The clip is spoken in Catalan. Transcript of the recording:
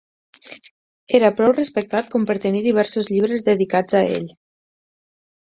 Era prou respectat com per tenir diversos llibres dedicats a ell.